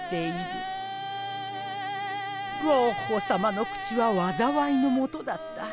ゴッホさまの口はわざわいのもとだった。